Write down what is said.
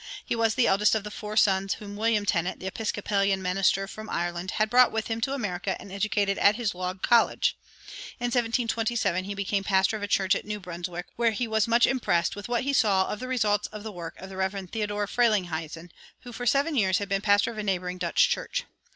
He was the eldest of the four sons whom William Tennent, the Episcopalian minister from Ireland, had brought with him to America and educated at his Log College. In 1727 he became pastor of a church at New Brunswick, where he was much impressed with what he saw of the results of the work of the Rev. Theodore Frelinghuysen, who for seven years had been pastor of a neighboring Dutch church.